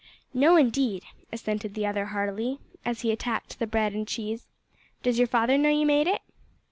"No, indeed," assented the other heartily, as he attacked the bread and cheese. "Does your father know you made it?"